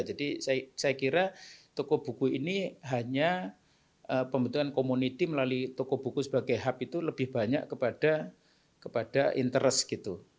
jadi saya kira toko buku ini hanya pembentukan community melalui toko buku sebagai hub itu lebih banyak kepada interest gitu